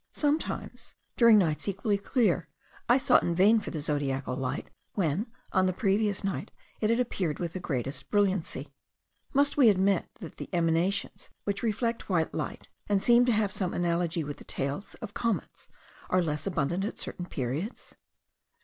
Sometimes, during nights equally clear, I sought in vain for the zodiacal light, when, on the previous night, it had appeared with the greatest brilliancy. Must we admit that emanations which reflect white light, and seem to have some analogy with the tails of comets, are less abundant at certain periods?